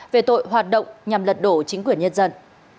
về tội hoạt động nhằm lật đổ chính quyền nhân dân